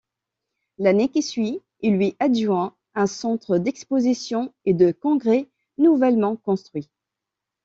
L'année qui suit, il lui adjoint un centre d'exposition et de congrès nouvellement construit.